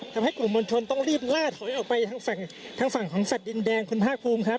ทำให้กลุ่มมวลชนต้องรีบล่าถอยออกไปทางฝั่งทางฝั่งของสัตว์ดินแดงคุณภาคภูมิครับ